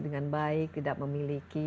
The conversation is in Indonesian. dengan baik tidak memiliki